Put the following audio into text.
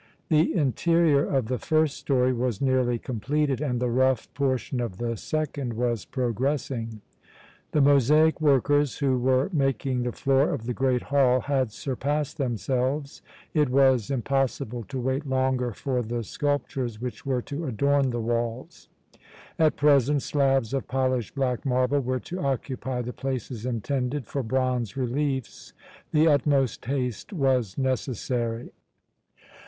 The interior of the first story was nearly completed and the rough portion of the second was progressing. The mosaic workers, who were making the floor of the great hall, had surpassed themselves. It was impossible to wait longer for the sculptures which were to adorn the walls. At present slabs of polished black marble were to occupy the places intended for bronze reliefs; the utmost haste was necessary.